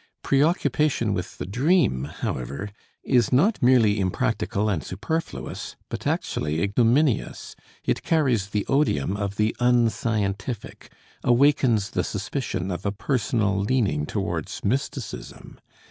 Preoccupation with the dream, however, is not merely impractical and superfluous, but actually ignominious; it carries the odium of the unscientific, awakens the suspicion of a personal leaning towards mysticism.